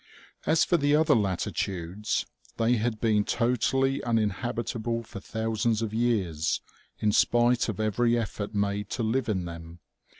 As for the other latitudes, they had been totally unin habitable for thousands of years, in spite of every effort made to live in them.